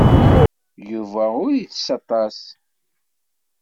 Yuba ur ittess aṭas.